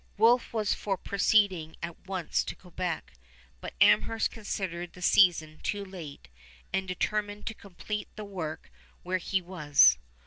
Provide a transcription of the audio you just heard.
Wolfe was for proceeding at once to Quebec, but Amherst considered the season too late and determined to complete the work where he was.